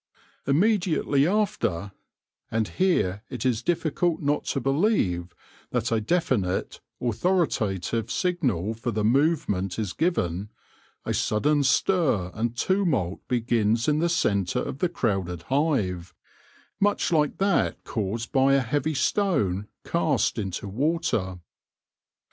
Immediately after — and here it is difficult not to believe that a definite, authoritative signal for the movement is given — a sudden stir and tumult begins in the centre of the crowded hive, much like that caused by a heav}' stone cast into wacer.